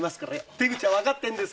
手口はわかってんです！